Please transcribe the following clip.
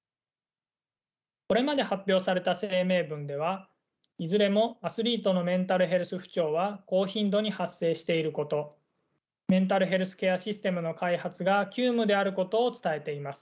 これまで発表された声明文ではいずれもアスリートのメンタルヘルス不調は高頻度に発生していることメンタルヘルスケアシステムの開発が急務であることを伝えています。